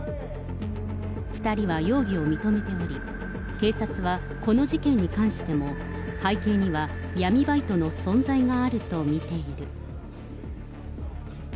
２人は容疑を認めており、警察はこの事件に関しても、背景には闇バイトの存在があると見ている。